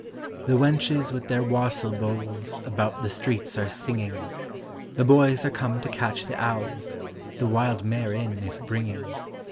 The wenches with their wassail bowls About the streets are singing; The boys are come to catch the owls The wild mare in is bringing.